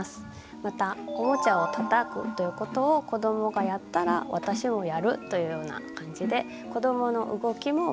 またおもちゃをたたくということを子どもがやったら私もやるというような感じで子どもの動きもまねをしています。